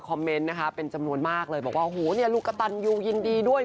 เมนต์นะคะเป็นจำนวนมากเลยบอกว่าโอ้โหเนี่ยลูกกระตันยูยินดีด้วย